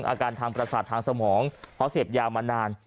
อาการทางประสาททางสมองเพราะเสพยามานาน